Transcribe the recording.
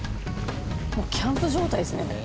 もうキャンプ状態ですね。